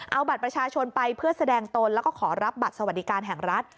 เอาบัตรประชาชนไปเพื่อแสดงตนแล้วก็ขอรับบัตรสวัสดิการแห่งรัฐ